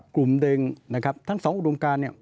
กลุ่มหนึ่งนะครับทั้งสองอุดมการเนี่ย